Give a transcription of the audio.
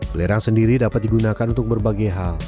belerang sendiri dapat digunakan untuk berbagai hal